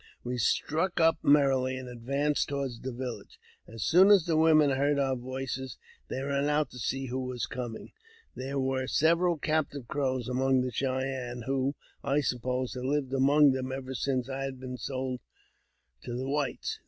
We struck up merrily, and advanced toward the village. As soon as the women heard our voices, they ran out to see who were ming. There were several captive Crows among the Chey i 372 AUTOBIOGBAPHY OF ennes, who, I supposed, had lived among them ever since had been sold to the whites.